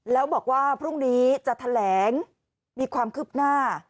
แล้วบอกว่าพรุ่งนี้จะแถลงมีความคืบหน้า